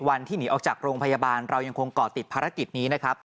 วันที่หนีออกจากโรงพยาบาลเรายังคงเกาะติดภารกิจนี้นะครับ